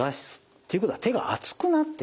っていうことは手が熱くなってる。